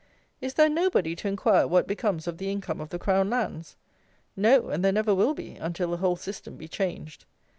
Is there nobody to inquire what becomes of the income of the Crown lands? No, and there never will be, until the whole system be changed.